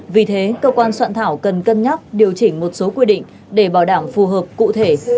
vì thế cơ quan soạn thảo cần cân nhắc điều chỉnh một số quy định để bảo đảm phù hợp cụ thể